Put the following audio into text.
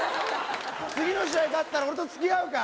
次の試合勝ったら俺と付き合うか？